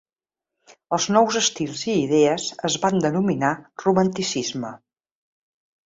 Els nous estils i idees es van denominar Romanticisme.